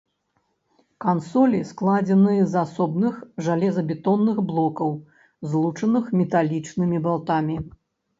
Кансолі складзеныя з асобных жалезабетонных блокаў, злучаных металічнымі балтамі.